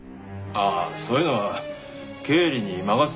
ああそういうのは経理に任せてるんでね。